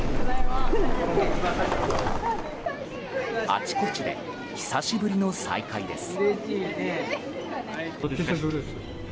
あちこちで久しぶりの再会です。